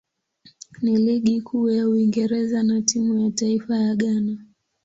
ya Ligi Kuu ya Uingereza na timu ya taifa ya Ghana.